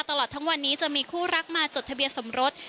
ตลอดทั้งวันนี้จะมีคู่รักมาจดทะเบียนสมรส